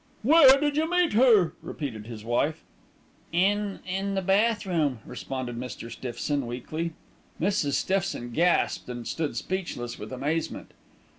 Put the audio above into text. "Where did you meet her?" repeated his wife. "In in the bath room," responded Mr. Stiffson weakly. Mrs. Stiffson gasped and stood speechless with amazement.